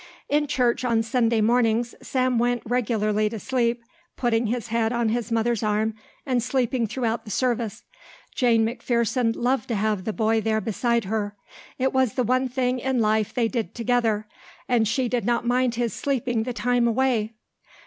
In church on Sunday mornings Sam went regularly to sleep, putting his head on his mother's arm and sleeping throughout the service. Jane McPherson loved to have the boy there beside her. It was the one thing in life they did together and she did not mind his sleeping the time away.